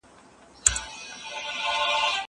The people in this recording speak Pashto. زه پرون موبایل کاروم.